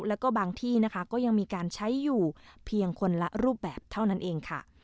แล้วก็บางที่นะคะก็ยังมีการใช้อยู่เพียงคนละรูปแบบเท่านั้นเองค่ะ